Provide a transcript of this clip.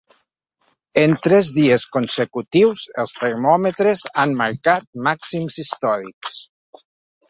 En tres dies consecutius els termòmetres han marcat màxims històrics.